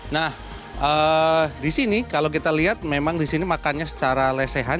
nah disini kalau kita lihat memang disini makannya secara lesehan